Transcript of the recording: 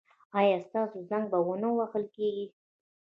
ایا ستاسو زنګ به و نه وهل کیږي؟